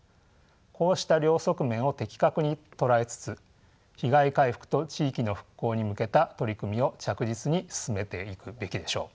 こうした両側面を的確に捉えつつ被害回復と地域の復興に向けた取り組みを着実に進めていくべきでしょう。